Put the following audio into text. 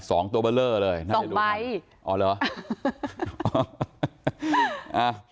สองตัวเบลอเลยสองใบอ๋อเหรออ่ะ